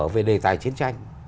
về đề tài chiến tranh